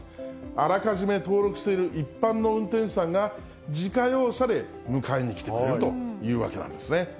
あらかじめ登録している一般の運転手さんが、自家用車で迎えに来てくれるということです。